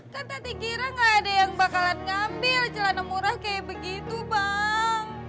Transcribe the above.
kan tadi gira gak ada yang bakalan ngambil celana murah kayak begitu bang